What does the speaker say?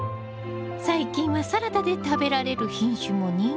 最近はサラダで食べられる品種も人気で。